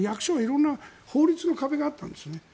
色んな法律の壁があったんですね。